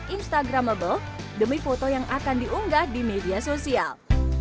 instagramable demi foto yang akan diunggah di media sosial